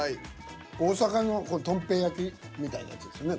大阪のとん平焼きみたいなやつですよね